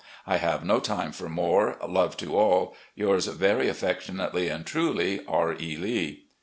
" I have no time for more. Love to all. "Yours very affectionately and truly, "R. E. Lee."